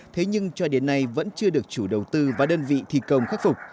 thế nhưng cho đến nay vẫn chưa được chủ đầu tư và đơn vị thi công khắc phục